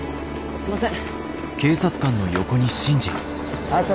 すいません